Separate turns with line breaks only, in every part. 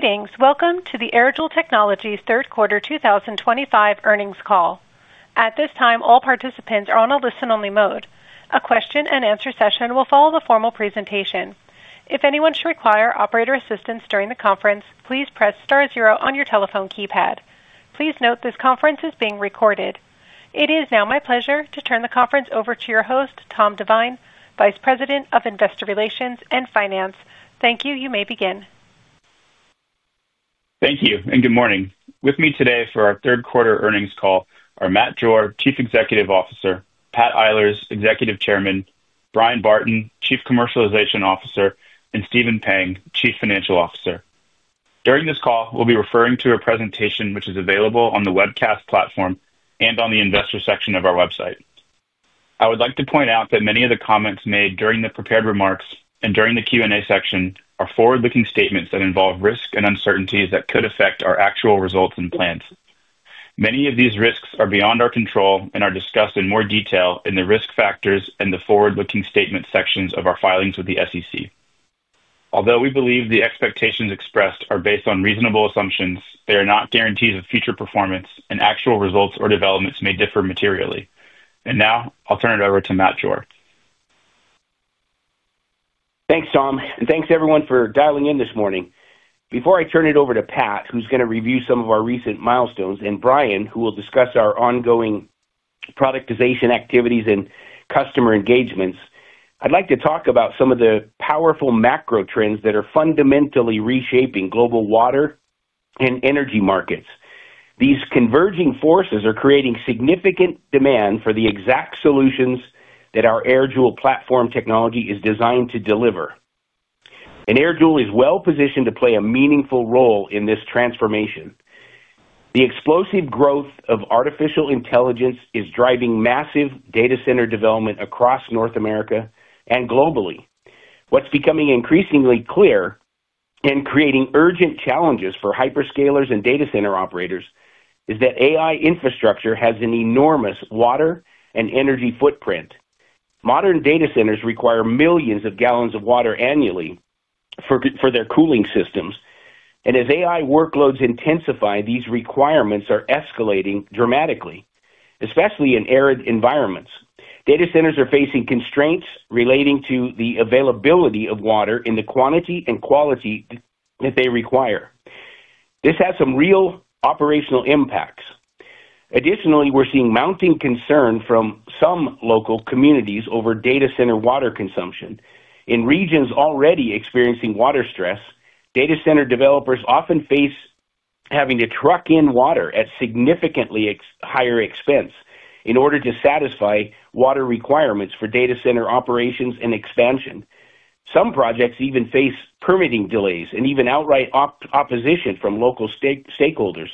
Greetings. Welcome to the AirJoule Technologies Third Quarter 2025 Earnings Call. At this time, all participants are on a listen-only mode. A question-and-answer session will follow the formal presentation. If anyone should require operator assistance during the conference, please press star zero on your telephone keypad. Please note this conference is being recorded. It is now my pleasure to turn the conference over to your host, Tom Divine, Vice President of Investor Relations and Finance. Thank you. You may begin.
Thank you and good morning. With me today for our third quarter earnings call are Matt Jore, Chief Executive Officer; Pat Eilers, Executive Chairman; Bryan Barton, Chief Commercialization Officer; and Stephen Pang, Chief Financial Officer. During this call, we'll be referring to a presentation which is available on the webcast platform and on the investor section of our website. I would like to point out that many of the comments made during the prepared remarks and during the Q&A section are forward-looking statements that involve risk and uncertainties that could affect our actual results and plans. Many of these risks are beyond our control and are discussed in more detail in the risk factors and the forward-looking statement sections of our filings with the SEC. Although we believe the expectations expressed are based on reasonable assumptions, they are not guarantees of future performance, and actual results or developments may differ materially. Now, I'll turn it over to Matt Jore.
Thanks, Tom, and thanks everyone for dialing in this morning. Before I turn it over to Pat, who's going to review some of our recent milestones, and Bryan, who will discuss our ongoing productization activities and customer engagements, I'd like to talk about some of the powerful macro trends that are fundamentally reshaping global water and energy markets. These converging forces are creating significant demand for the exact solutions that our AirJoule platform technology is designed to deliver. AirJoule is well positioned to play a meaningful role in this transformation. The explosive growth of artificial intelligence is driving massive data center development across North America and globally. What's becoming increasingly clear and creating urgent challenges for hyperscalers and data center operators is that AI infrastructure has an enormous water and energy footprint. Modern data centers require millions of gallons of water annually for their cooling systems. As AI workloads intensify, these requirements are escalating dramatically, especially in arid environments. Data centers are facing constraints relating to the availability of water in the quantity and quality that they require. This has some real operational impacts. Additionally, we're seeing mounting concern from some local communities over data center water consumption. In regions already experiencing water stress, data center developers often face having to truck in water at significantly higher expense in order to satisfy water requirements for data center operations and expansion. Some projects even face permitting delays and even outright opposition from local stakeholders.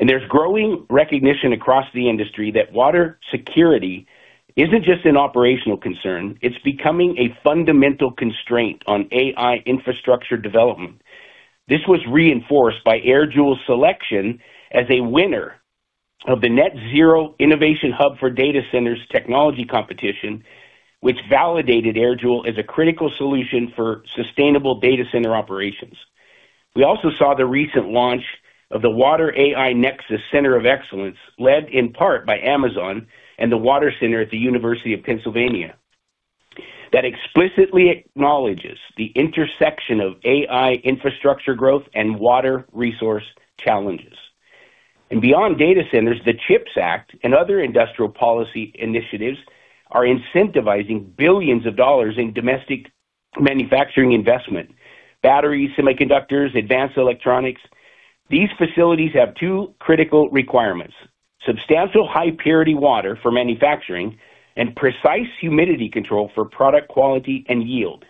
There's growing recognition across the industry that water security isn't just an operational concern; it's becoming a fundamental constraint on AI infrastructure development. This was reinforced by AirJoule's selection as a winner of the Net Zero Innovation Hub for Data Centers technology competition, which validated AirJoule as a critical solution for sustainable data center operations. We also saw the recent launch of the Water AI Nexus Center of Excellence, led in part by Amazon and the Water Center at the University of Pennsylvania, that explicitly acknowledges the intersection of AI infrastructure growth and water resource challenges. Beyond data centers, the CHIPS Act and other industrial policy initiatives are incentivizing billions of dollars in domestic manufacturing investment: batteries, semiconductors, advanced electronics. These facilities have two critical requirements: substantial high-purity water for manufacturing and precise humidity control for product quality and yield.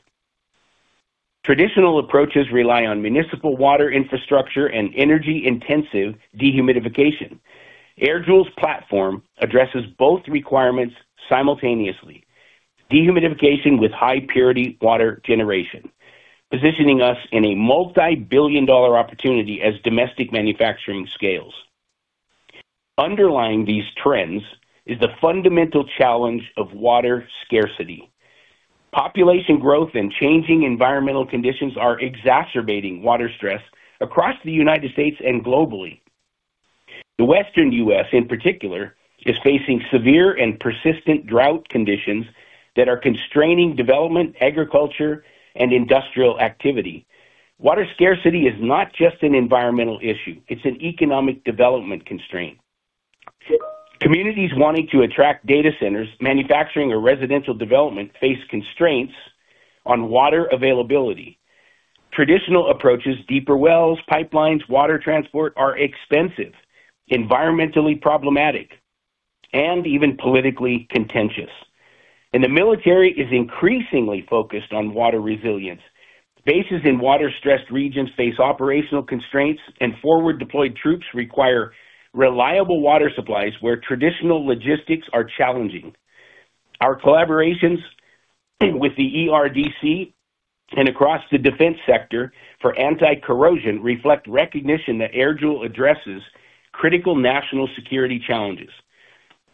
Traditional approaches rely on municipal water infrastructure and energy-intensive dehumidification. AirJoule's platform addresses both requirements simultaneously: dehumidification with high-purity water generation, positioning us in a multi-billion dollar opportunity as domestic manufacturing scales. Underlying these trends is the fundamental challenge of water scarcity. Population growth and changing environmental conditions are exacerbating water stress across the United States and globally. The Western U.S., in particular, is facing severe and persistent drought conditions that are constraining development, agriculture, and industrial activity. Water scarcity is not just an environmental issue; it's an economic development constraint. Communities wanting to attract data centers, manufacturing, or residential development face constraints on water availability. Traditional approaches—deeper wells, pipelines, water transport—are expensive, environmentally problematic, and even politically contentious. The military is increasingly focused on water resilience. Bases in water-stressed regions face operational constraints, and forward-deployed troops require reliable water supplies where traditional logistics are challenging. Our collaborations with the ERDC and across the defense sector for anti-corrosion reflect recognition that AirJoule addresses critical national security challenges.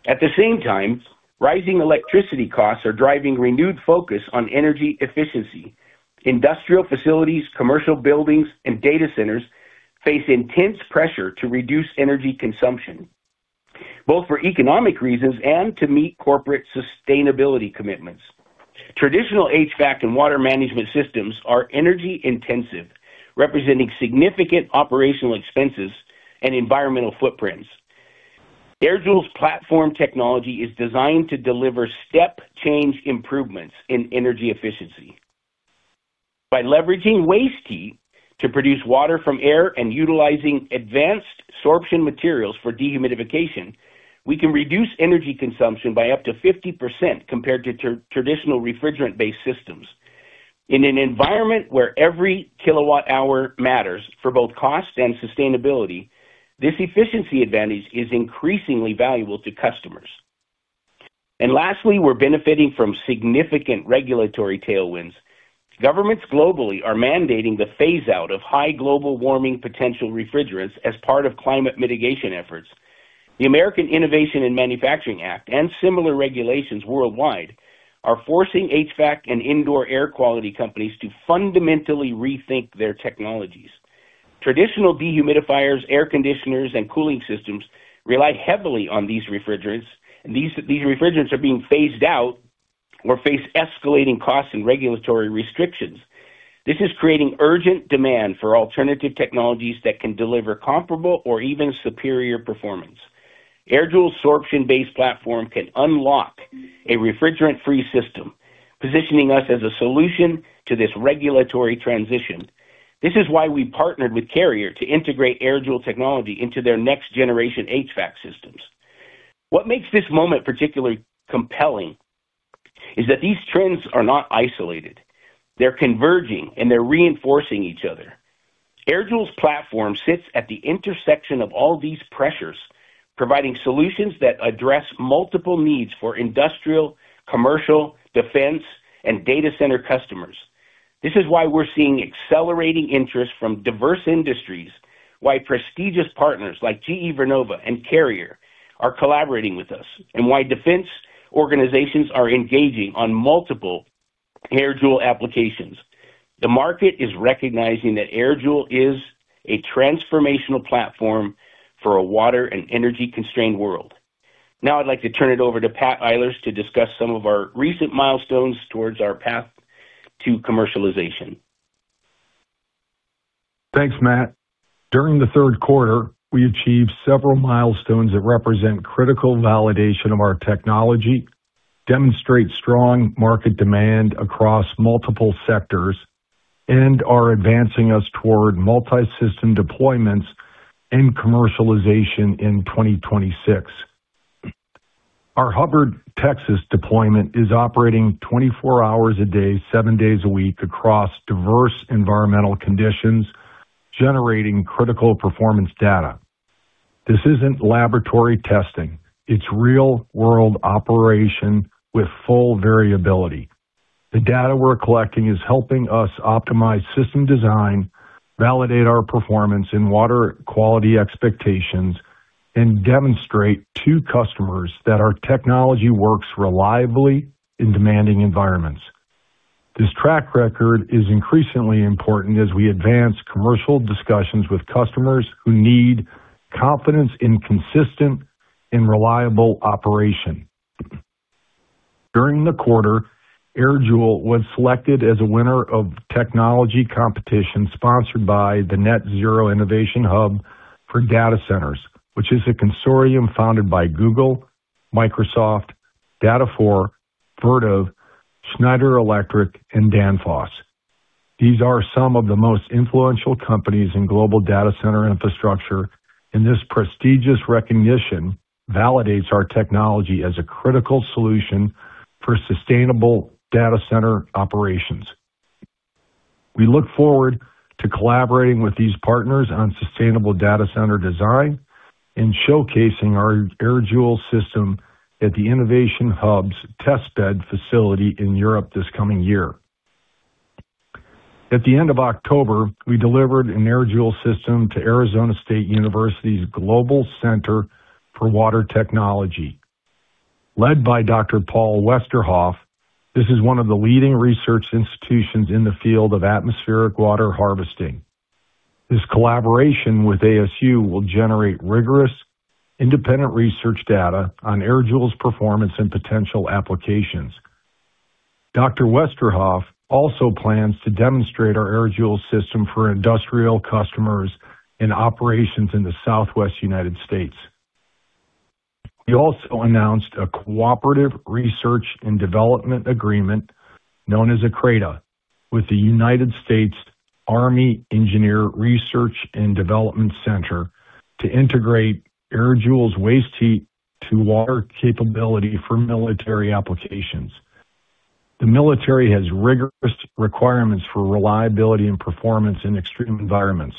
At the same time, rising electricity costs are driving renewed focus on energy efficiency. Industrial facilities, commercial buildings, and data centers face intense pressure to reduce energy consumption, both for economic reasons and to meet corporate sustainability commitments. Traditional HVAC and water management systems are energy-intensive, representing significant operational expenses and environmental footprints. AirJoule's platform technology is designed to deliver step-change improvements in energy efficiency. By leveraging waste heat to produce water from air and utilizing advanced sorption materials for dehumidification, we can reduce energy consumption by up to 50% compared to traditional refrigerant-based systems. In an environment where every kilowatt-hour matters for both cost and sustainability, this efficiency advantage is increasingly valuable to customers. Lastly, we're benefiting from significant regulatory tailwinds. Governments globally are mandating the phase-out of high global warming potential refrigerants as part of climate mitigation efforts. The American Innovation and Manufacturing Act and similar regulations worldwide are forcing HVAC and indoor air quality companies to fundamentally rethink their technologies. Traditional dehumidifiers, air conditioners, and cooling systems rely heavily on these refrigerants, and these refrigerants are being phased out or face escalating costs and regulatory restrictions. This is creating urgent demand for alternative technologies that can deliver comparable or even superior performance. AirJoule's sorption-based platform can unlock a refrigerant-free system, positioning us as a solution to this regulatory transition. This is why we partnered with Carrier to integrate AirJoule technology into their next-generation HVAC systems. What makes this moment particularly compelling is that these trends are not isolated. They're converging, and they're reinforcing each other. AirJoule's platform sits at the intersection of all these pressures, providing solutions that address multiple needs for industrial, commercial, defense, and data center customers. This is why we're seeing accelerating interest from diverse industries, why prestigious partners like GE Vernova and Carrier are collaborating with us, and why defense organizations are engaging on multiple AirJoule applications. The market is recognizing that AirJoule is a transformational platform for a water and energy-constrained world. Now, I'd like to turn it over to Pat Eilers to discuss some of our recent milestones towards our path to commercialization.
Thanks, Matt. During the third quarter, we achieved several milestones that represent critical validation of our technology, demonstrate strong market demand across multiple sectors, and are advancing us toward multi-system deployments and commercialization in 2026. Our Hubbard, Texas, deployment is operating 24 hours a day, seven days a week, across diverse environmental conditions, generating critical performance data. This isn't laboratory testing; it's real-world operation with full variability. The data we're collecting is helping us optimize system design, validate our performance in water quality expectations, and demonstrate to customers that our technology works reliably in demanding environments. This track record is increasingly important as we advance commercial discussions with customers who need confidence in consistent and reliable operation. During the quarter, AirJoule was selected as a winner of a technology competition sponsored by the Net Zero Innovation Hub for Data Centers, which is a consortium founded by Google, Microsoft, Data4, Vertiv, Schneider Electric, and Danfoss. These are some of the most influential companies in global data center infrastructure, and this prestigious recognition validates our technology as a critical solution for sustainable data center operations. We look forward to collaborating with these partners on sustainable data center design and showcasing our AirJoule system at the Innovation Hub's testbed facility in Europe this coming year. At the end of October, we delivered an AirJoule system to Arizona State University's Global Center for Water Technology. Led by Dr. Paul Westerhoff, this is one of the leading research institutions in the field of atmospheric water harvesting. This collaboration with ASU will generate rigorous, independent research data on AirJoule's performance and potential applications. Dr. Westerhoff also plans to demonstrate our AirJoule system for industrial customers and operations in the Southwest United States. We also announced a cooperative research and development agreement known as ACRADA with the United States Army Engineer Research and Development Center to integrate AirJoule's waste heat to water capability for military applications. The military has rigorous requirements for reliability and performance in extreme environments.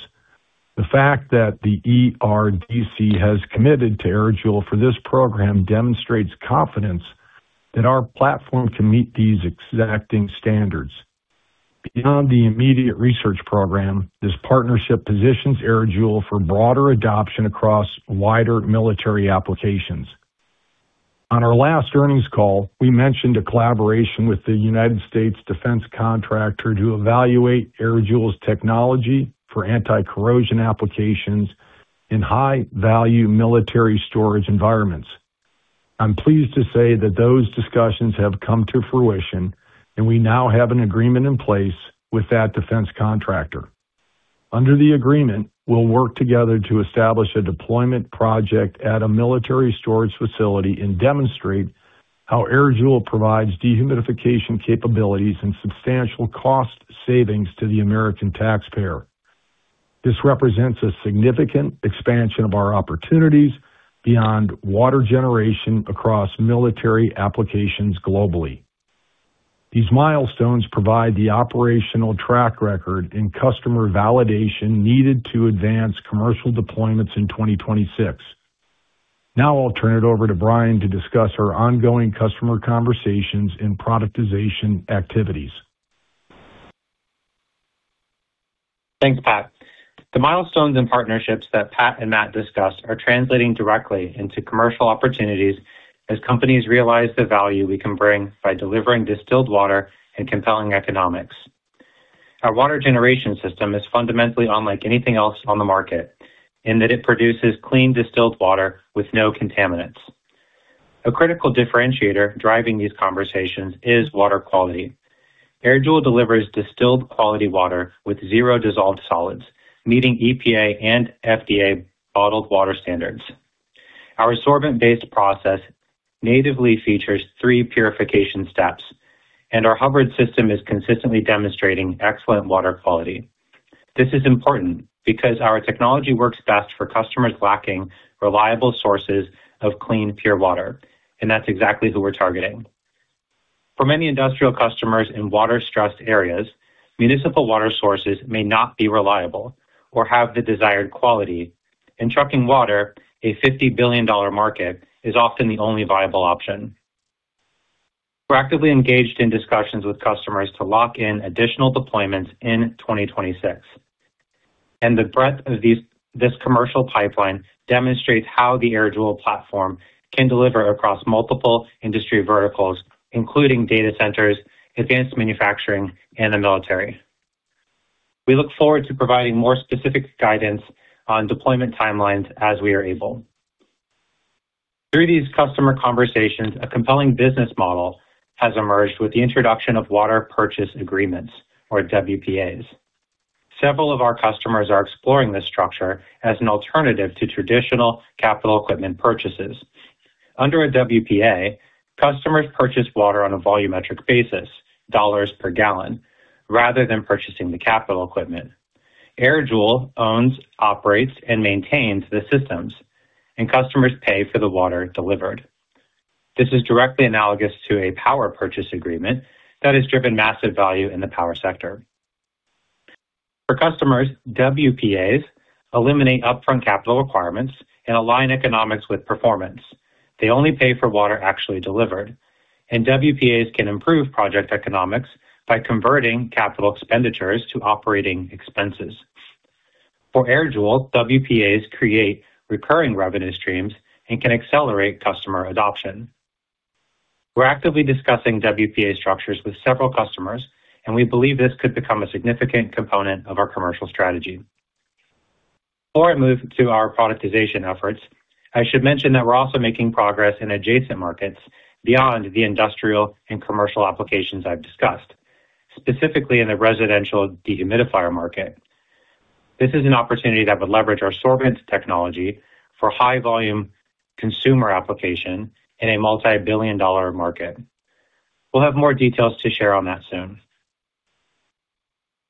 The fact that the ERDC has committed to AirJoule for this program demonstrates confidence that our platform can meet these exacting standards. Beyond the immediate research program, this partnership positions AirJoule for broader adoption across wider military applications. On our last earnings call, we mentioned a collaboration with a United States defense contractor to evaluate AirJoule's technology for anti-corrosion applications in high-value military storage environments. I'm pleased to say that those discussions have come to fruition, and we now have an agreement in place with that defense contractor. Under the agreement, we'll work together to establish a deployment project at a military storage facility and demonstrate how AirJoule provides dehumidification capabilities and substantial cost savings to the American taxpayer. This represents a significant expansion of our opportunities beyond water generation across military applications globally. These milestones provide the operational track record and customer validation needed to advance commercial deployments in 2026. Now, I'll turn it over to Bryan to discuss our ongoing customer conversations and productization activities.
Thanks, Pat. The milestones and partnerships that Pat and Matt discussed are translating directly into commercial opportunities as companies realize the value we can bring by delivering distilled water and compelling economics. Our water generation system is fundamentally unlike anything else on the market in that it produces clean distilled water with no contaminants. A critical differentiator driving these conversations is water quality. AirJoule delivers distilled quality water with zero dissolved solids, meeting EPA and FDA bottled water standards. Our sorbent-based process natively features three purification steps, and our Hubbard system is consistently demonstrating excellent water quality. This is important because our technology works best for customers lacking reliable sources of clean, pure water, and that's exactly who we're targeting. For many industrial customers in water-stressed areas, municipal water sources may not be reliable or have the desired quality, and trucking water, a $50 billion market, is often the only viable option. We are actively engaged in discussions with customers to lock in additional deployments in 2026. The breadth of this commercial pipeline demonstrates how the AirJoule platform can deliver across multiple industry verticals, including data centers, advanced manufacturing, and the military. We look forward to providing more specific guidance on deployment timelines as we are able. Through these customer conversations, a compelling business model has emerged with the introduction of water purchase agreements, or WPAs. Several of our customers are exploring this structure as an alternative to traditional capital equipment purchases. Under a WPA, customers purchase water on a volumetric basis, dollars per gallon, rather than purchasing the capital equipment. AirJoule owns, operates, and maintains the systems, and customers pay for the water delivered. This is directly analogous to a power purchase agreement that has driven massive value in the power sector. For customers, WPAs eliminate upfront capital requirements and align economics with performance. They only pay for water actually delivered, and WPAs can improve project economics by converting capital expenditures to operating expenses. For AirJoule, WPAs create recurring revenue streams and can accelerate customer adoption. We're actively discussing WPA structures with several customers, and we believe this could become a significant component of our commercial strategy. Before I move to our productization efforts, I should mention that we're also making progress in adjacent markets beyond the industrial and commercial applications I've discussed, specifically in the residential dehumidifier market. This is an opportunity that would leverage our sorbent technology for high-volume consumer application in a multi-billion dollar market. We'll have more details to share on that soon.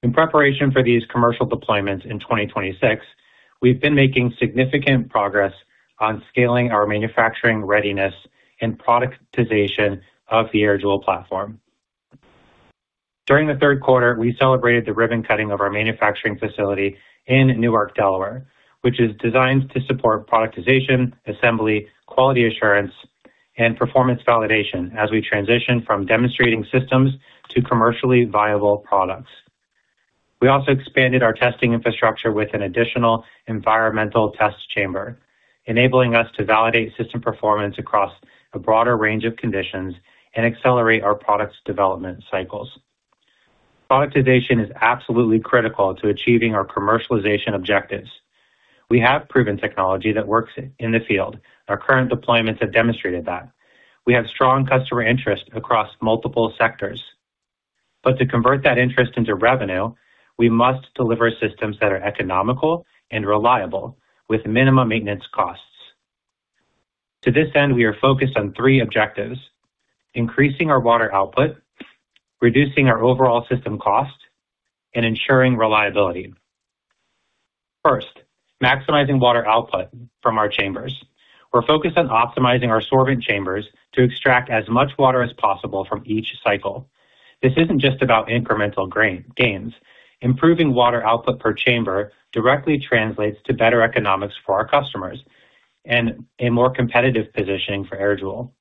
In preparation for these commercial deployments in 2026, we've been making significant progress on scaling our manufacturing readiness and productization of the AirJoule platform. During the third quarter, we celebrated the ribbon cutting of our manufacturing facility in Newark, Delaware, which is designed to support productization, assembly, quality assurance, and performance validation as we transition from demonstrating systems to commercially viable products. We also expanded our testing infrastructure with an additional environmental test chamber, enabling us to validate system performance across a broader range of conditions and accelerate our product's development cycles. Productization is absolutely critical to achieving our commercialization objectives. We have proven technology that works in the field. Our current deployments have demonstrated that. We have strong customer interest across multiple sectors. To convert that interest into revenue, we must deliver systems that are economical and reliable with minimum maintenance costs. To this end, we are focused on three objectives: increasing our water output, reducing our overall system cost, and ensuring reliability. First, maximizing water output from our chambers. We're focused on optimizing our sorbent chambers to extract as much water as possible from each cycle. This isn't just about incremental gains. Improving water output per chamber directly translates to better economics for our customers and a more competitive positioning for AirJoule.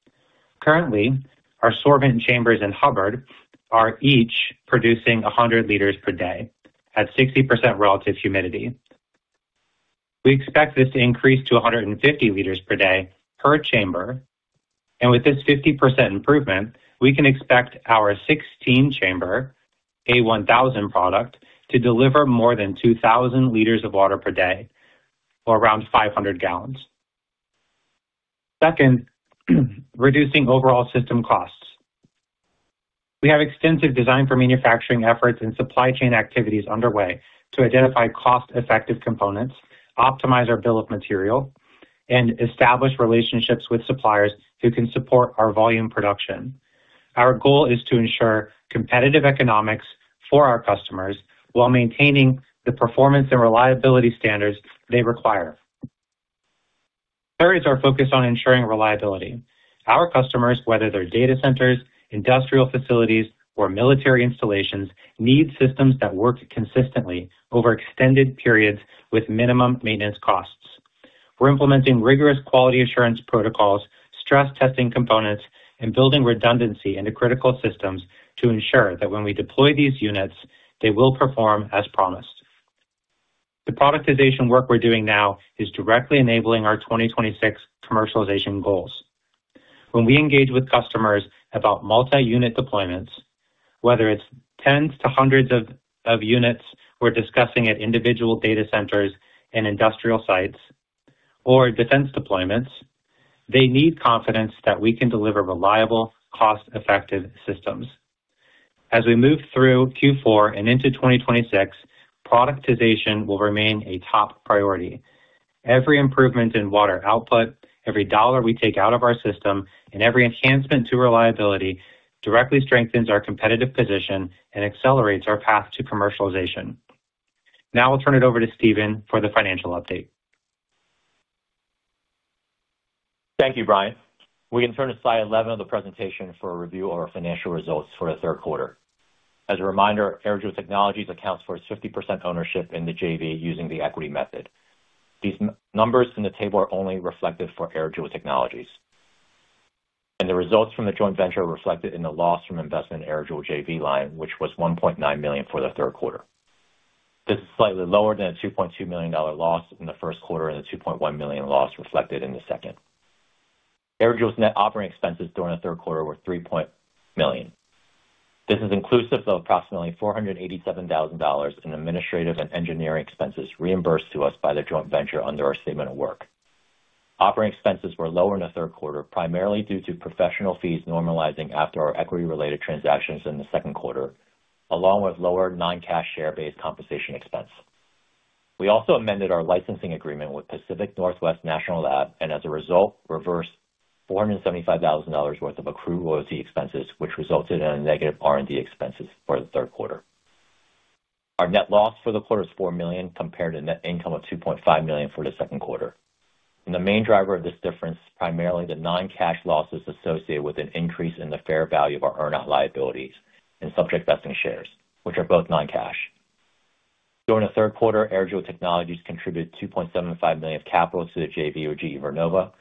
Currently, our sorbent chambers in Hubbard are each producing 100 liters per day at 60% relative humidity. We expect this to increase to 150 liters per day per chamber. With this 50% improvement, we can expect our 16-chamber A1000 product to deliver more than 2,000 liters of water per day, or around 500 gallons. Second, reducing overall system costs. We have extensive design for manufacturing efforts and supply chain activities underway to identify cost-effective components, optimize our bill of material, and establish relationships with suppliers who can support our volume production. Our goal is to ensure competitive economics for our customers while maintaining the performance and reliability standards they require. Third is our focus on ensuring reliability. Our customers, whether they're data centers, industrial facilities, or military installations, need systems that work consistently over extended periods with minimum maintenance costs. We're implementing rigorous quality assurance protocols, stress testing components, and building redundancy into critical systems to ensure that when we deploy these units, they will perform as promised. The productization work we're doing now is directly enabling our 2026 commercialization goals. When we engage with customers about multi-unit deployments, whether it's tens to hundreds of units we're discussing at individual data centers and industrial sites or defense deployments, they need confidence that we can deliver reliable, cost-effective systems. As we move through Q4 and into 2026, productization will remain a top priority. Every improvement in water output, every dollar we take out of our system, and every enhancement to reliability directly strengthens our competitive position and accelerates our path to commercialization. Now I'll turn it over to Stephen for the financial update.
Thank you, Bryan. We can turn to slide 11 of the presentation for a review of our financial results for the third quarter. As a reminder, AirJoule Technologies accounts for 50% ownership in the JV using the equity method. These numbers from the table are only reflected for AirJoule Technologies. The results from the joint venture are reflected in the loss from investment in AirJoule JV line, which was $1.9 million for the third quarter. This is slightly lower than a $2.2 million loss in the first quarter and a $2.1 million loss reflected in the second. AirJoule's net operating expenses during the third quarter were $3.00 million. This is inclusive of approximately $487,000 in administrative and engineering expenses reimbursed to us by the joint venture under our statement of work. Operating expenses were lower in the third quarter primarily due to professional fees normalizing after our equity-related transactions in the second quarter, along with lower non-cash share-based compensation expense. We also amended our licensing agreement with Pacific Northwest National Laboratory and, as a result, reversed $475,000 worth of accrued royalty expenses, which resulted in negative R&D expenses for the third quarter. Our net loss for the quarter was $4 million compared to net income of $2.5 million for the second quarter. The main driver of this difference is primarily the non-cash losses associated with an increase in the fair value of our earn-out liabilities and subject vesting shares, which are both non-cash. During the third quarter, AirJoule Technologies contributed $2.75 million of capital to the JV with GE Vernova,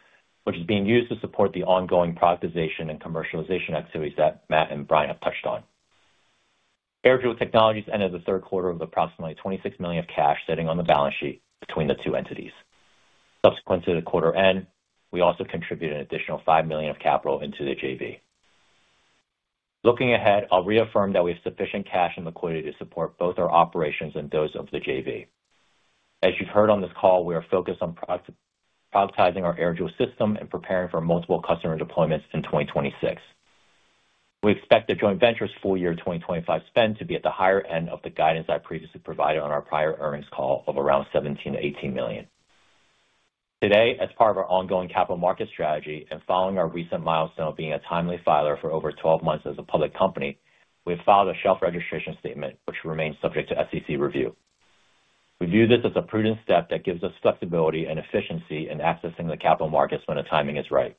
which is being used to support the ongoing productization and commercialization activities that Matt and Bryan have touched on. AirJoule Technologies ended the third quarter with approximately $26 million of cash sitting on the balance sheet between the two entities. Subsequent to the quarter end, we also contributed an additional $5 million of capital into the JV. Looking ahead, I'll reaffirm that we have sufficient cash and liquidity to support both our operations and those of the JV. As you've heard on this call, we are focused on productizing our AirJoule system and preparing for multiple customer deployments in 2026. We expect the joint venture's full year 2025 spend to be at the higher end of the guidance I previously provided on our prior earnings call of around $17 million-$18 million. Today, as part of our ongoing capital market strategy and following our recent milestone of being a timely filer for over 12 months as a public company, we have filed a shelf registration statement, which remains subject to SEC review. We view this as a prudent step that gives us flexibility and efficiency in accessing the capital markets when the timing is right.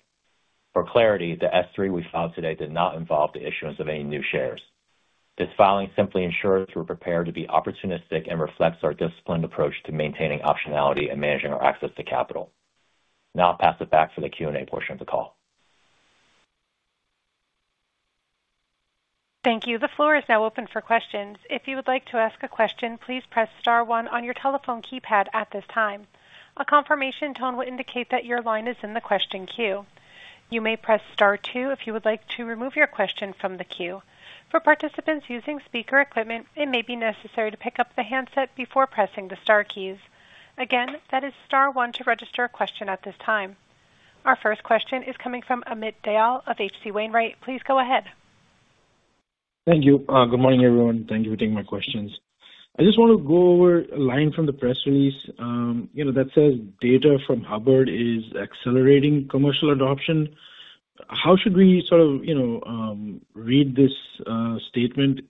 For clarity, the S-3 we filed today did not involve the issuance of any new shares. This filing simply ensures we're prepared to be opportunistic and reflects our disciplined approach to maintaining optionality and managing our access to capital. Now I'll pass it back for the Q&A portion of the call.
Thank you. The floor is now open for questions. If you would like to ask a question, please press star one on your telephone keypad at this time. A confirmation tone will indicate that your line is in the question queue. You may press star two if you would like to remove your question from the queue. For participants using speaker equipment, it may be necessary to pick up the handset before pressing the star keys. Again, that is star one to register a question at this time. Our first question is coming from Amit Dayal of H.C. Wainwright. Please go ahead.
Thank you. Good morning, everyone. Thank you for taking my questions. I just want to go over a line from the press release that says data from Hubbard is accelerating commercial adoption. How should we sort of read this statement?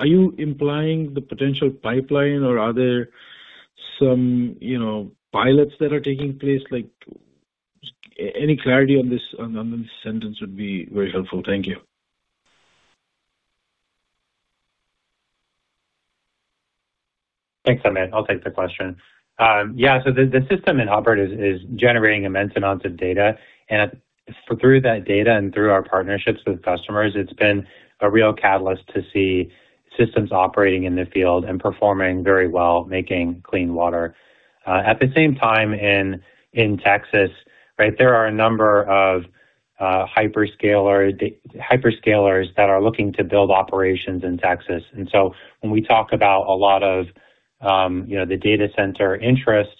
Are you implying the potential pipeline, or are there some pilots that are taking place? Any clarity on this sentence would be very helpful. Thank you.
Thanks, Amit. I'll take the question. Yeah, so the system in Hubbard is generating immense amounts of data. And through that data and through our partnerships with customers, it's been a real catalyst to see systems operating in the field and performing very well, making clean water. At the same time, in Texas, there are a number of hyperscalers that are looking to build operations in Texas. And so when we talk about a lot of the data center interest,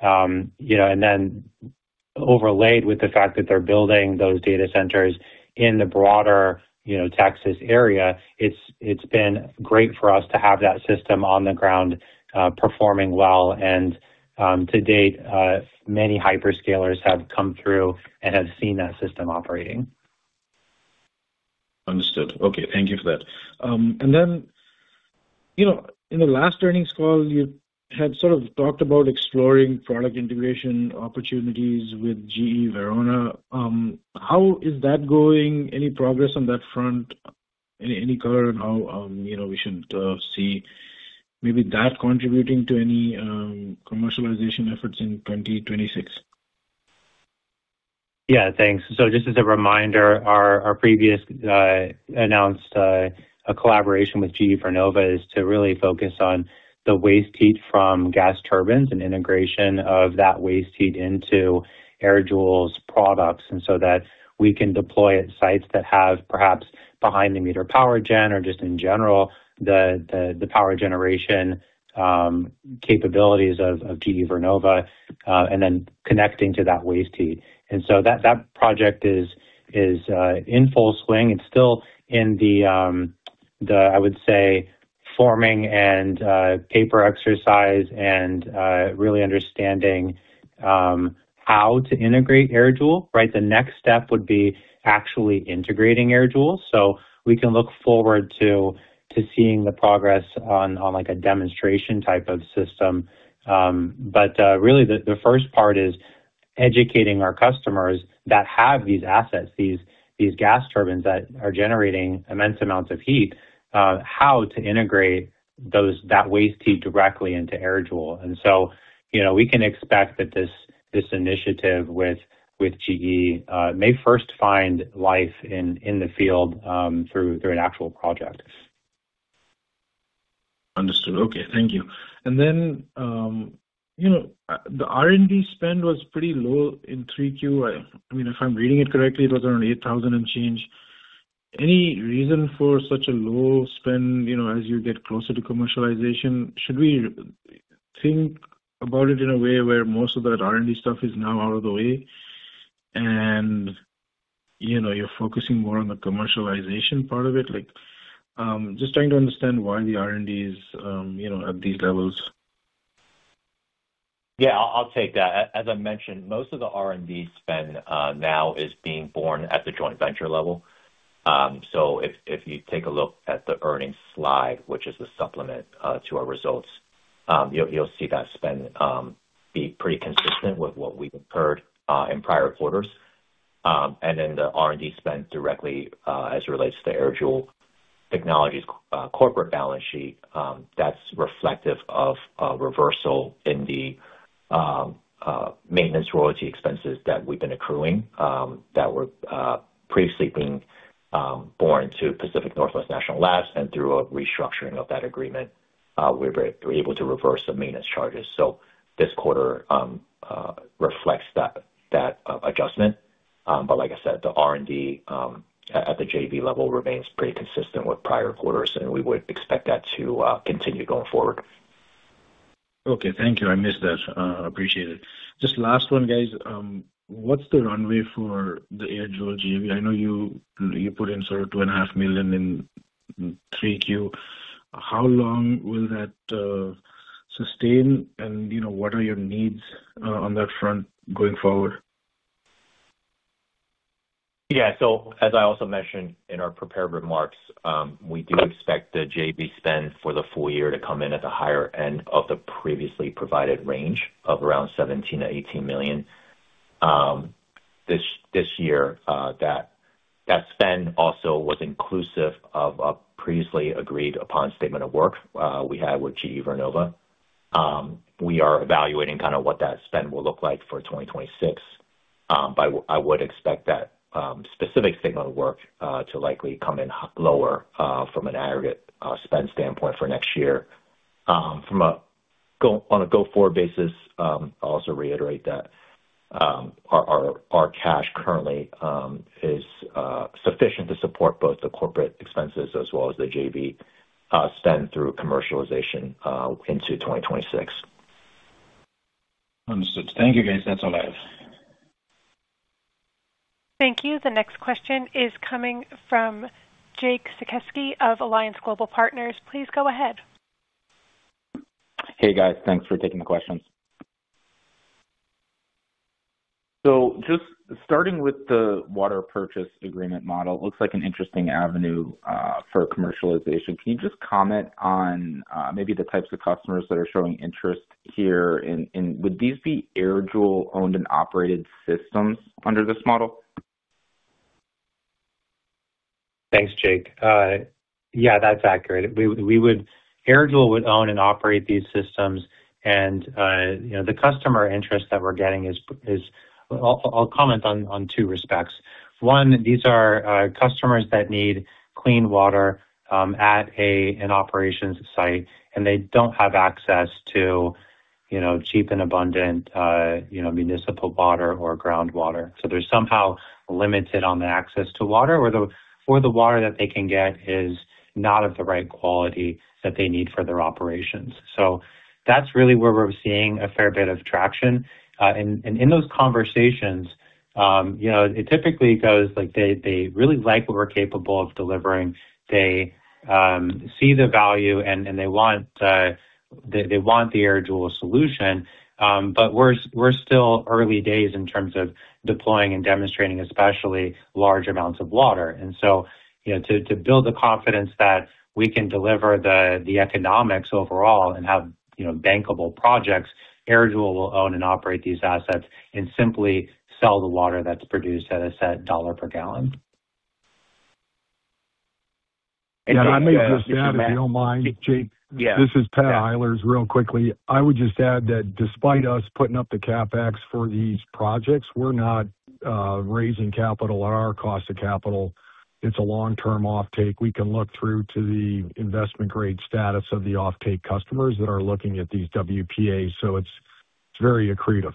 and then overlaid with the fact that they're building those data centers in the broader Texas area, it's been great for us to have that system on the ground performing well. And to date, many hyperscalers have come through and have seen that system operating.
Understood. Okay. Thank you for that. In the last earnings call, you had sort of talked about exploring product integration opportunities with GE Vernova. How is that going? Any progress on that front? Any color on how we should see maybe that contributing to any commercialization efforts in 2026?
Yeah, thanks. Just as a reminder, our previously announced collaboration with GE Vernova is to really focus on the waste heat from gas turbines and integration of that waste heat into AirJoule's products so that we can deploy at sites that have perhaps behind-the-meter power generation or just in general the power generation capabilities of GE Vernova and then connecting to that waste heat. That project is in full swing. It is still in the, I would say, forming and paper exercise and really understanding how to integrate AirJoule. The next step would be actually integrating AirJoule. We can look forward to seeing the progress on a demonstration type of system. Really, the first part is educating our customers that have these assets, these gas turbines that are generating immense amounts of heat, how to integrate that waste heat directly into AirJoule. We can expect that this initiative with GE may first find life in the field through an actual project.
Understood. Okay. Thank you. Then the R&D spend was pretty low in 3Q. I mean, if I'm reading it correctly, it was around $8,000 and change. Any reason for such a low spend as you get closer to commercialization? Should we think about it in a way where most of that R&D stuff is now out of the way and you're focusing more on the commercialization part of it? Just trying to understand why the R&D is at these levels.
Yeah, I'll take that. As I mentioned, most of the R&D spend now is being borne at the joint venture level. If you take a look at the earnings slide, which is the supplement to our results, you'll see that spend be pretty consistent with what we've incurred in prior quarters. The R&D spend directly as it relates to AirJoule Technologies' corporate balance sheet, that's reflective of a reversal in the maintenance royalty expenses that we've been accruing that were previously being borne to Pacific Northwest National Laboratory. Through a restructuring of that agreement, we were able to reverse the maintenance charges. This quarter reflects that adjustment. Like I said, the R&D at the JV level remains pretty consistent with prior quarters, and we would expect that to continue going forward.
Okay. Thank you. I missed that. Appreciate it. Just last one, guys. What's the runway for the AirJoule JV? I know you put in sort of $2.5 million in 3Q. How long will that sustain, and what are your needs on that front going forward?
Yeah. As I also mentioned in our prepared remarks, we do expect the JV spend for the full year to come in at the higher end of the previously provided range of around $17 million-$18 million. This year, that spend also was inclusive of a previously agreed-upon statement of work we had with GE Vernova. We are evaluating kind of what that spend will look like for 2026. I would expect that specific statement of work to likely come in lower from an aggregate spend standpoint for next year. On a go-forward basis, I'll also reiterate that our cash currently is sufficient to support both the corporate expenses as well as the JV spend through commercialization into 2026.
Understood. Thank you, guys. That's all I have.
Thank you. The next question is coming from Jake Sekelsky of Alliance Global Partners. Please go ahead.
Hey, guys. Thanks for taking the questions. Just starting with the water purchase agreement model, it looks like an interesting avenue for commercialization. Can you just comment on maybe the types of customers that are showing interest here? Would these be AirJoule-owned and operated systems under this model?
Thanks, Jake. Yeah, that's accurate. AirJoule would own and operate these systems. The customer interest that we're getting is I'll comment on two respects. One, these are customers that need clean water at an operations site, and they don't have access to cheap and abundant municipal water or groundwater. They're somehow limited on the access to water, or the water that they can get is not of the right quality that they need for their operations. That's really where we're seeing a fair bit of traction. In those conversations, it typically goes like they really like what we're capable of delivering. They see the value, and they want the AirJoule solution. We're still early days in terms of deploying and demonstrating, especially large amounts of water. To build the confidence that we can deliver the economics overall and have bankable projects, AirJoule will own and operate these assets and simply sell the water that's produced at a set dollar per gallon.
Yeah, I may just add, if you don't mind, Jake. This is Pat Eilers. Real quickly, I would just add that despite us putting up the CapEx for these projects, we're not raising capital at our cost of capital. It's a long-term offtake. We can look through to the investment-grade status of the offtake customers that are looking at these WPAs. So it's very accretive.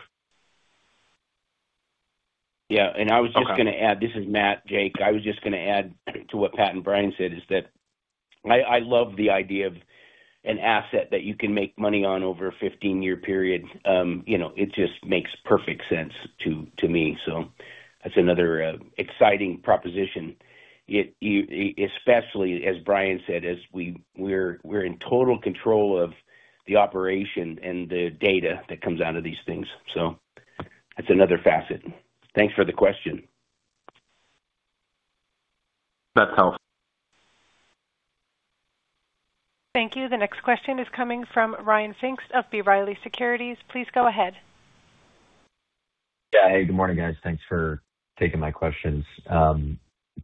Yeah. I was just going to add this is Matt, Jake. I was just going to add to what Pat and Bryan said is that I love the idea of an asset that you can make money on over a 15-year period. It just makes perfect sense to me. That is another exciting proposition, especially, as Bryan said, as we are in total control of the operation and the data that comes out of these things. That is another facet. Thanks for the question. That's helpful.
Thank you. The next question is coming from Ryan Fink of B. Riley Securities. Please go ahead.
Yeah. Hey, good morning, guys. Thanks for taking my questions.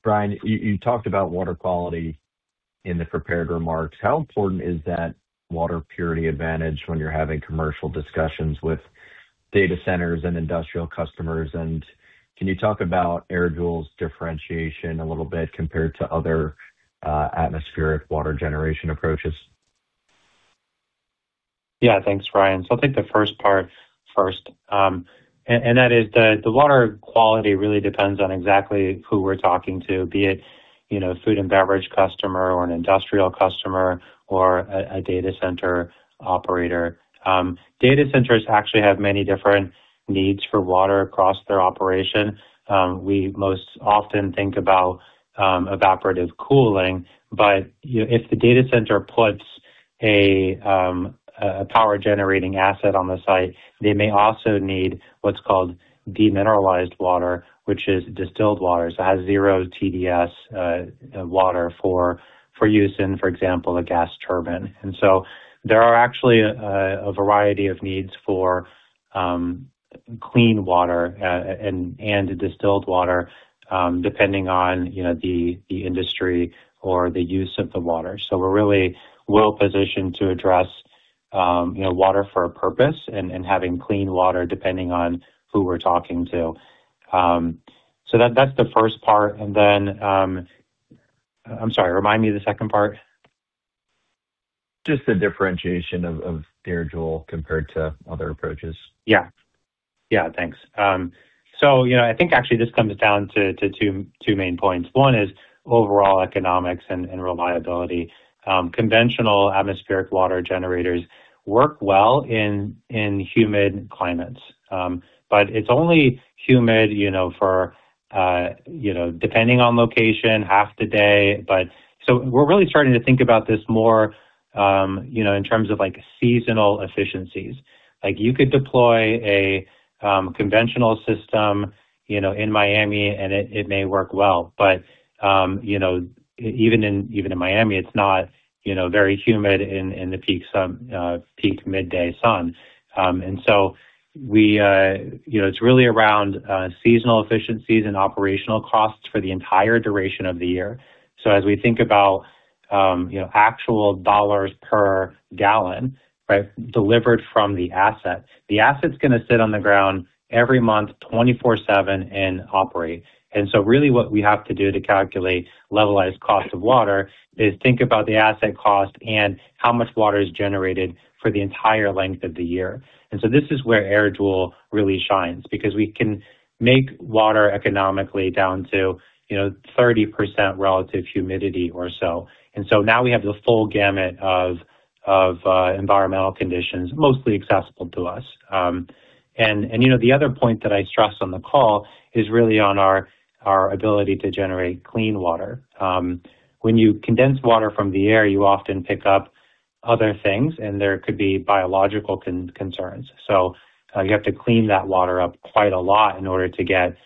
Bryan, you talked about water quality in the prepared remarks. How important is that water purity advantage when you're having commercial discussions with data centers and industrial customers? Can you talk about AirJoule's differentiation a little bit compared to other atmospheric water generation approaches?
Yeah. Thanks, Ryan. I'll take the first part first. The water quality really depends on exactly who we're talking to, be it a food and beverage customer or an industrial customer or a data center operator. Data centers actually have many different needs for water across their operation. We most often think about evaporative cooling. If the data center puts a power-generating asset on the site, they may also need what's called demineralized water, which is distilled water. It has zero TDS water for use in, for example, a gas turbine. There are actually a variety of needs for clean water and distilled water depending on the industry or the use of the water. We're really well-positioned to address water for a purpose and having clean water depending on who we're talking to. That's the first part. I'm sorry, remind me of the second part.
Just the differentiation of AirJoule compared to other approaches.
Yeah. Yeah. Thanks. I think actually this comes down to two main points. One is overall economics and reliability. Conventional atmospheric water generators work well in humid climates. It is only humid for, depending on location, half the day. We are really starting to think about this more in terms of seasonal efficiencies. You could deploy a conventional system in Miami, and it may work well. Even in Miami, it is not very humid in the peak midday sun. It is really around seasonal efficiencies and operational costs for the entire duration of the year. As we think about actual dollars per gallon delivered from the asset, the asset is going to sit on the ground every month, 24/7, and operate. Really what we have to do to calculate levelized cost of water is think about the asset cost and how much water is generated for the entire length of the year. This is where AirJoule really shines because we can make water economically down to 30% relative humidity or so. Now we have the full gamut of environmental conditions mostly accessible to us. The other point that I stressed on the call is really on our ability to generate clean water. When you condense water from the air, you often pick up other things, and there could be biological concerns. You have to clean that water up quite a lot in order to get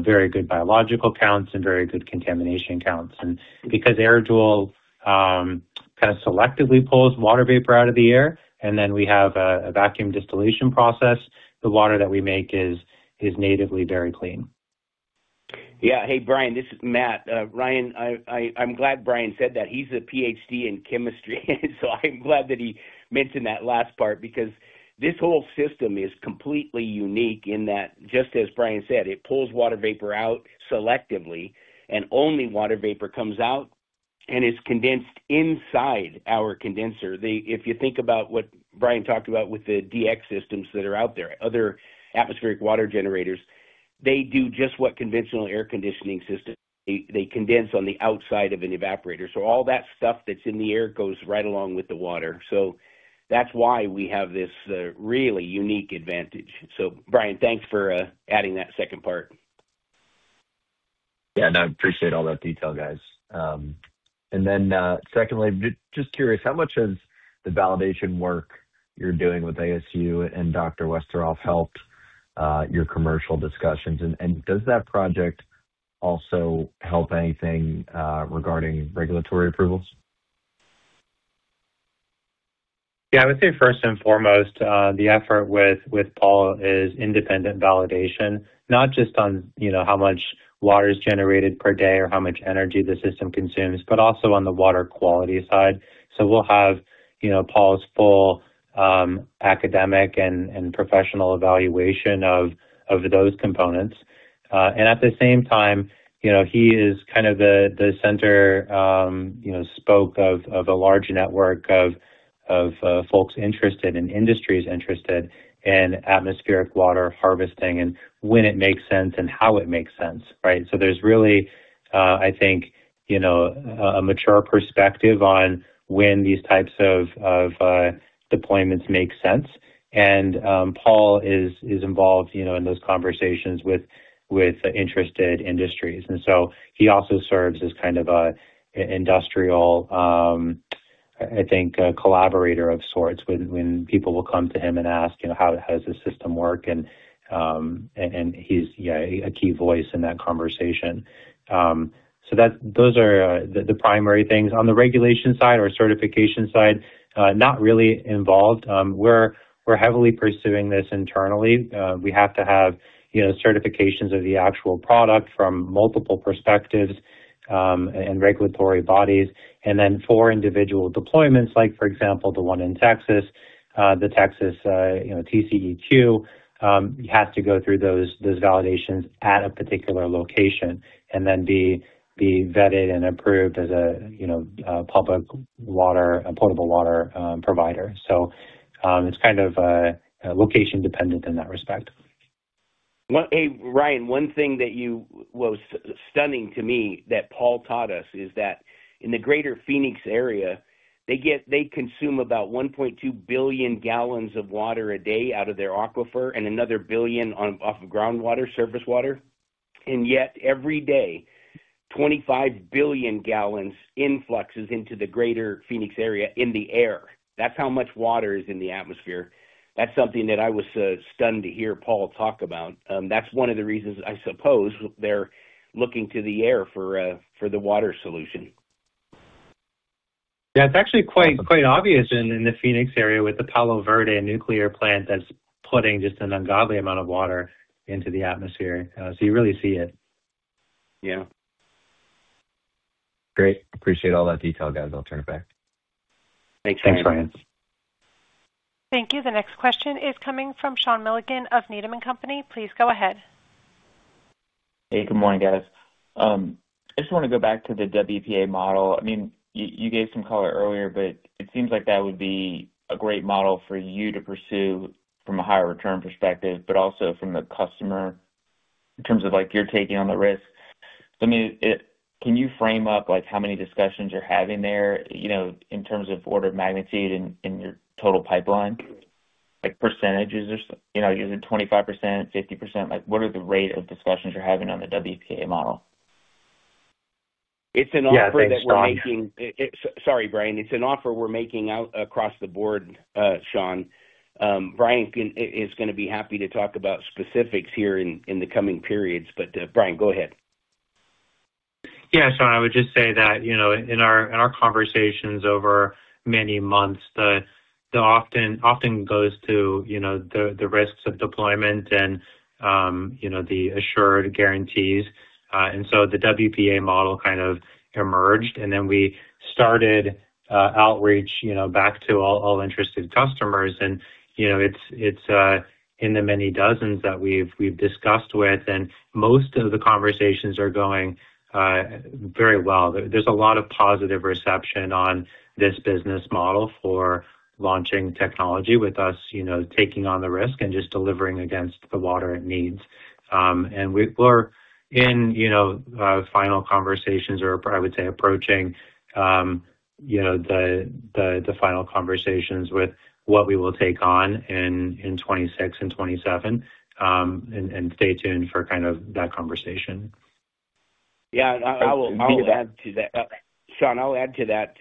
very good biological counts and very good contamination counts. Because AirJoule kind of selectively pulls water vapor out of the air, and then we have a vacuum distillation process, the water that we make is natively very clean.
Yeah. Hey, Ryan, this is Matt. I'm glad Bryan said that. He's a PhD in chemistry. I'm glad that he mentioned that last part because this whole system is completely unique in that, just as Bryan said, it pulls water vapor out selectively, and only water vapor comes out and is condensed inside our condenser. If you think about what Bryan talked about with the DX systems that are out there, other atmospheric water generators, they do just what conventional air conditioning systems do. They condense on the outside of an evaporator. All that stuff that's in the air goes right along with the water. That's why we have this really unique advantage. Bryan, thanks for adding that second part.
Yeah. No, I appreciate all that detail, guys. Then secondly, just curious, how much has the validation work you're doing with ASU and Dr. Westerhoff helped your commercial discussions? Does that project also help anything regarding regulatory approvals?
Yeah. I would say first and foremost, the effort with Paul is independent validation, not just on how much water is generated per day or how much energy the system consumes, but also on the water quality side. We will have Paul's full academic and professional evaluation of those components. At the same time, he is kind of the center spoke of a large network of folks interested and industries interested in atmospheric water harvesting and when it makes sense and how it makes sense, right? There is really, I think, a mature perspective on when these types of deployments make sense. Paul is involved in those conversations with interested industries. He also serves as kind of an industrial, I think, collaborator of sorts when people will come to him and ask, "How does the system work?" He is a key voice in that conversation. Those are the primary things. On the regulation side or certification side, not really involved. We're heavily pursuing this internally. We have to have certifications of the actual product from multiple perspectives and regulatory bodies. For individual deployments, like for example, the one in Texas, the Texas TCEQ has to go through those validations at a particular location and then be vetted and approved as a public water and potable water provider. It's kind of location-dependent in that respect.
Hey, Ryan, one thing that was stunning to me that Paul taught us is that in the greater Phoenix area, they consume about 1.2 billion gallons of water a day out of their aquifer and another billion off of groundwater, surface water. Yet every day, 25 billion gallons influxes into the greater Phoenix area in the air. That's how much water is in the atmosphere. That's something that I was stunned to hear Paul talk about. That's one of the reasons, I suppose, they're looking to the air for the water solution. Yeah. It's actually quite obvious in the Phoenix area with the Palo Verde nuclear plant that's putting just an ungodly amount of water into the atmosphere. You really see it.
Yeah. Great. Appreciate all that detail, guys. I'll turn it back.
Thanks, Ryan.
Thanks, Ryan.
Thank you. The next question is coming from Sean Milligan of Needham & Company. Please go ahead.
Hey, good morning, guys. I just want to go back to the WPA model. I mean, you gave some color earlier, but it seems like that would be a great model for you to pursue from a higher return perspective, but also from the customer in terms of your taking on the risk. I mean, can you frame up how many discussions you're having there in terms of order of magnitude in your total pipeline? Percentages or is it 25%, 50%? What are the rate of discussions you're having on the WPA model?
It's an offer that we're making. Yeah. Sorry, Bryan. It's an offer we're making out across the board, Sean. Bryan is going to be happy to talk about specifics here in the coming periods. Bryan, go ahead.
Yeah. Sean, I would just say that in our conversations over many months, the conversation often goes to the risks of deployment and the assured guarantees. The WPA model kind of emerged, and then we started outreach back to all interested customers. It's in the many dozens that we've discussed with, and most of the conversations are going very well. There's a lot of positive reception on this business model for launching technology with us taking on the risk and just delivering against the water it needs. We're in final conversations or, I would say, approaching the final conversations with what we will take on in 2026 and 2027. Stay tuned for kind of that conversation.
Yeah. I'll add to that. Sean, I'll add to that.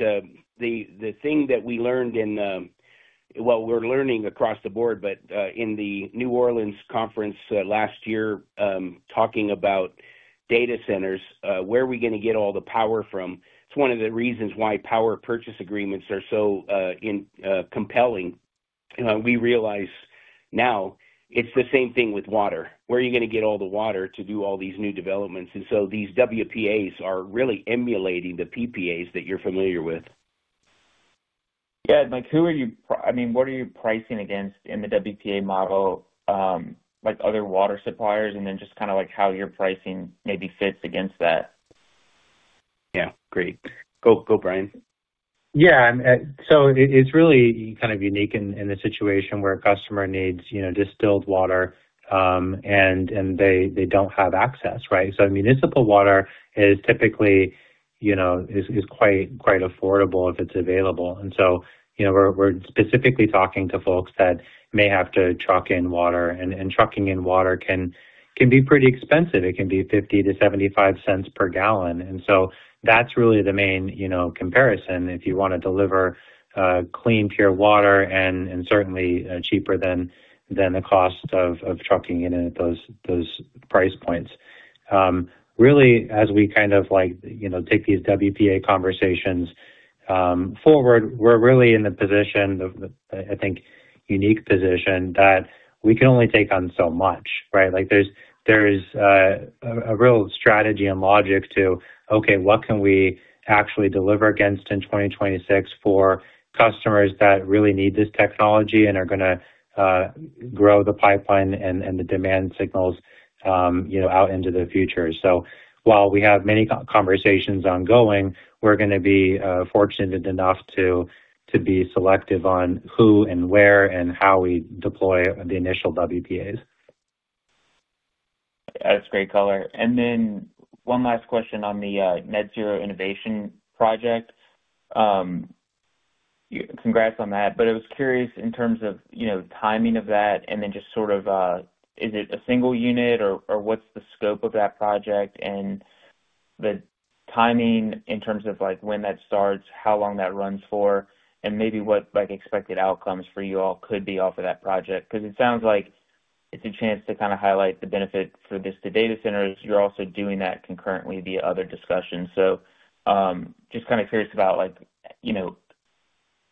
The thing that we learned in, well, we're learning across the board, but in the New Orleans conference last year talking about data centers, where are we going to get all the power from? It's one of the reasons why power purchase agreements are so compelling. We realize now it's the same thing with water. Where are you going to get all the water to do all these new developments? These WPAs are really emulating the PPAs that you're familiar with.
Yeah. I mean, what are you pricing against in the WPA model, other water suppliers, and then just kind of how your pricing maybe fits against that?
Yeah. Great. Go, Bryan.
Yeah. So it's really kind of unique in the situation where a customer needs distilled water and they don't have access, right? Municipal water is typically quite affordable if it's available. We're specifically talking to folks that may have to truck in water. Trucking in water can be pretty expensive. It can be $0.50-$0.75 per gallon. That's really the main comparison if you want to deliver clean, pure water and certainly cheaper than the cost of trucking in at those price points. Really, as we kind of take these WPA conversations forward, we're really in the position, I think, unique position that we can only take on so much, right? There's a real strategy and logic to, okay, what can we actually deliver against in 2026 for customers that really need this technology and are going to grow the pipeline and the demand signals out into the future? While we have many conversations ongoing, we're going to be fortunate enough to be selective on who and where and how we deploy the initial WPAs.
That's great color. One last question on the Net Zero Innovation Project. Congrats on that. I was curious in terms of timing of that and then just sort of, is it a single unit or what's the scope of that project and the timing in terms of when that starts, how long that runs for, and maybe what expected outcomes for you all could be off of that project? Because it sounds like it's a chance to kind of highlight the benefit for this to data centers. You're also doing that concurrently via other discussions. Just kind of curious about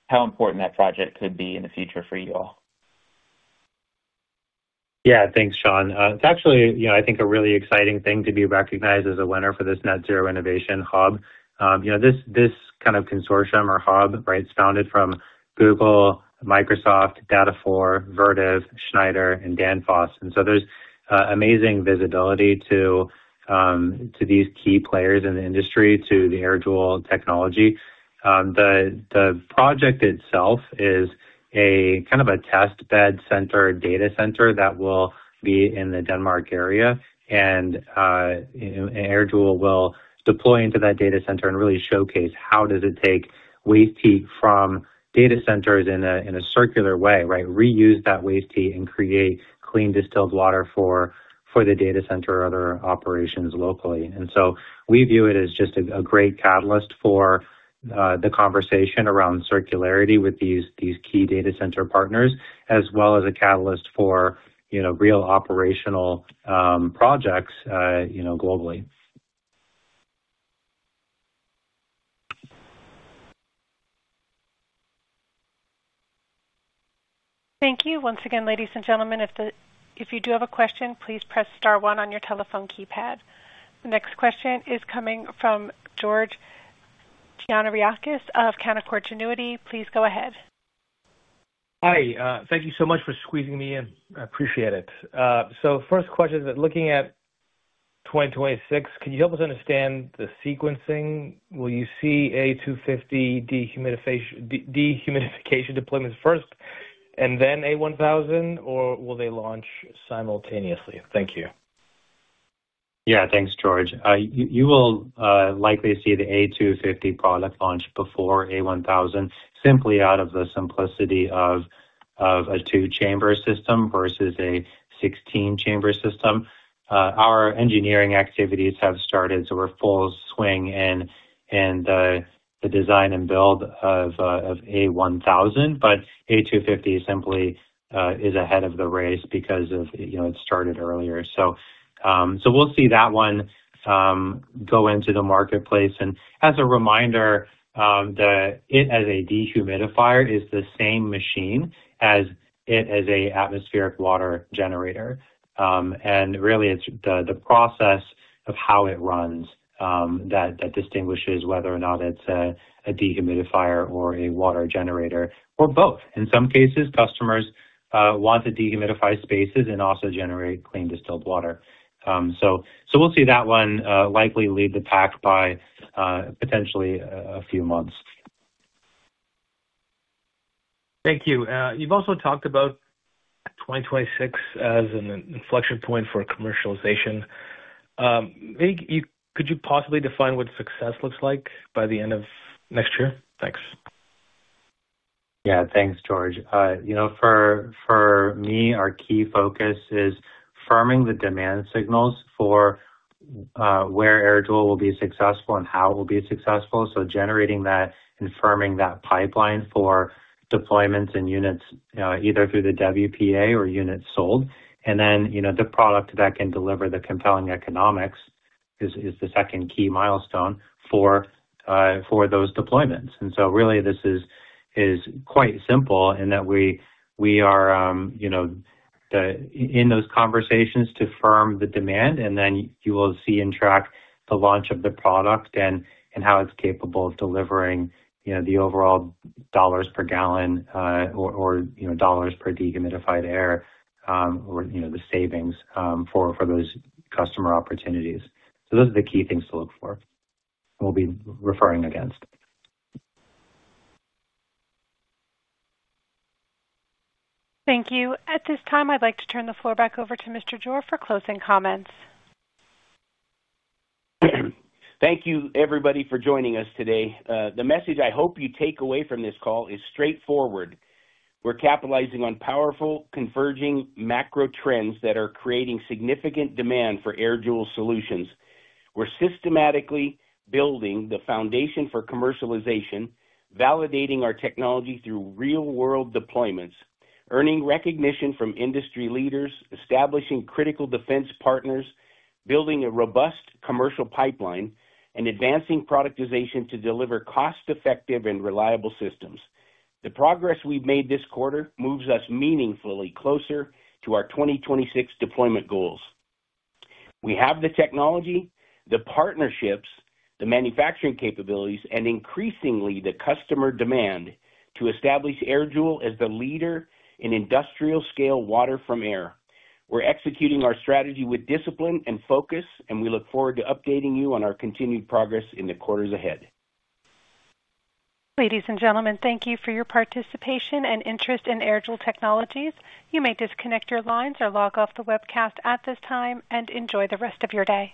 how important that project could be in the future for you all.
Yeah. Thanks, Sean. It's actually, I think, a really exciting thing to be recognized as a winner for this Net Zero Innovation Hub. This kind of consortium or hub, right, is founded from Google, Microsoft, Data4, Vertiv, Schneider, and Danfoss. There is amazing visibility to these key players in the industry, to the AirJoule technology. The project itself is kind of a test bed center data center that will be in the Denmark area. AirJoule will deploy into that data center and really showcase how does it take waste heat from data centers in a circular way, right? Reuse that waste heat and create clean distilled water for the data center or other operations locally. We view it as just a great catalyst for the conversation around circularity with these key data center partners, as well as a catalyst for real operational projects globally.
Thank you. Once again, ladies and gentlemen, if you do have a question, please press star one on your telephone keypad. The next question is coming from George Gianarikas of Canaccord Genuity. Please go ahead.
Hi. Thank you so much for squeezing me in. I appreciate it. First question is that looking at 2026, can you help us understand the sequencing? Will you see A250 dehumidification deployments first and then A1000, or will they launch simultaneously? Thank you.
Yeah. Thanks, George. You will likely see the A250 product launch before A1000 simply out of the simplicity of a two-chamber system versus a 16-chamber system. Our engineering activities have started, so we're full swing in the design and build of A1000. A250 simply is ahead of the race because it started earlier. We'll see that one go into the marketplace. As a reminder, it as a dehumidifier is the same machine as it as an atmospheric water generator. Really, it's the process of how it runs that distinguishes whether or not it's a dehumidifier or a water generator or both. In some cases, customers want to dehumidify spaces and also generate clean distilled water. We'll see that one likely lead the pack by potentially a few months.
Thank you. You've also talked about 2026 as an inflection point for commercialization. Could you possibly define what success looks like by the end of next year? Thanks.
Yeah. Thanks, George. For me, our key focus is firming the demand signals for where AirJoule will be successful and how it will be successful. Generating that and firming that pipeline for deployments and units either through the WPA or units sold. The product that can deliver the compelling economics is the second key milestone for those deployments. This is quite simple in that we are in those conversations to firm the demand, and you will see and track the launch of the product and how it's capable of delivering the overall dollars per gallon or dollars per dehumidified air or the savings for those customer opportunities. Those are the key things to look for and we'll be referring against.
Thank you. At this time, I'd like to turn the floor back over to Mr. Jore for closing comments.
Thank you, everybody, for joining us today. The message I hope you take away from this call is straightforward. We're capitalizing on powerful converging macro trends that are creating significant demand for AirJoule solutions. We're systematically building the foundation for commercialization, validating our technology through real-world deployments, earning recognition from industry leaders, establishing critical defense partners, building a robust commercial pipeline, and advancing productization to deliver cost-effective and reliable systems. The progress we've made this quarter moves us meaningfully closer to our 2026 deployment goals. We have the technology, the partnerships, the manufacturing capabilities, and increasingly the customer demand to establish AirJoule as the leader in industrial-scale water from air. We're executing our strategy with discipline and focus, and we look forward to updating you on our continued progress in the quarters ahead.
Ladies and gentlemen, thank you for your participation and interest in AirJoule Technologies. You may disconnect your lines or log off the webcast at this time and enjoy the rest of your day.